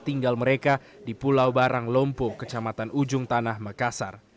tinggal mereka di pulau barang lompo kecamatan ujung tanah makassar